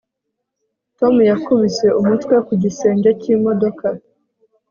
Tom yakubise umutwe ku gisenge cyimodoka